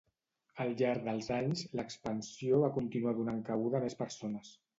Al llarg dels anys, l'expansió va continuar donant cabuda a més persones.